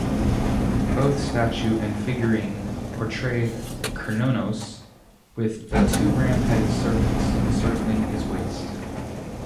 Both statue and figurine portray Cernunnos with the two ram-headed serpents encircling his waist.